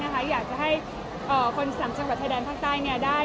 ก็อยากให้๗๒๐กว่า